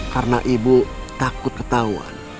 karena ibu takut ketahuan